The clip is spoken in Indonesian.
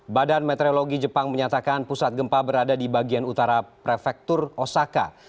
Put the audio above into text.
badan meteorologi jepang menyatakan pusat gempa berada di bagian utara prefektur osaka